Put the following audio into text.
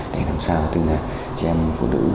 để làm sao chị em phụ nữ